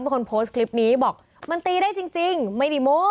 เป็นคนโพสต์คลิปนี้บอกมันตีได้จริงไม่ได้โม้